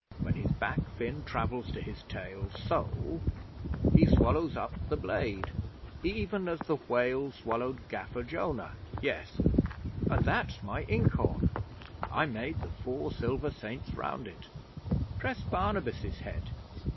When his back fin travels to his tail so he swallows up the blade, even as the whale swallowed Gaffer Jonah ... Yes, and that's my ink horn. I made the four silver saints round it. Press Barnabas's head.